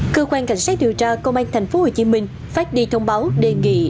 cơ quan cảnh sát điều tra công an tp hcm phát đi thông báo đề nghị